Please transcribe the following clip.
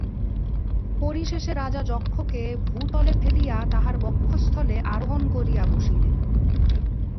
পরিশেষে রাজা যক্ষকে ভূতলে ফেলিয়া তাহার বক্ষঃস্থলে আরোহণ করিয়া বসিলেন।